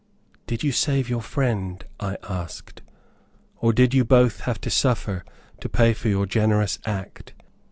"Did you save your friend?" I asked, "or did you both have to suffer, to pay for your generous act?"